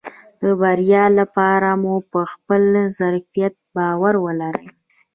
د بريا لپاره مو په خپل ظرفيت باور ولرئ .